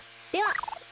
では。